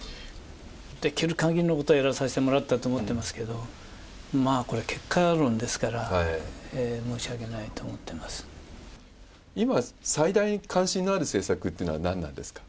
できる限りのことはやらさせてもらったと思ってますけど、まあこれ、結果論ですから、今、最大に関心のある政策っていうのは何なんですか？